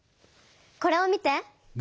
これを見て！